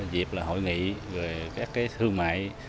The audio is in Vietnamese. dịp là hội nghị về các cái thương mại